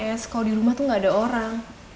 kayak kalau di rumah tuh gak ada orang